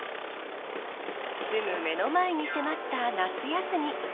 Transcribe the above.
すぐ目の前に迫った夏休み。